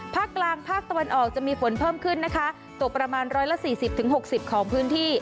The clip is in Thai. ภาคกลางภาคตะวันออกจะมีฝนเพิ่มขึ้นนะคะตกประมาณ๑๔๐๖๐ของพื้นที่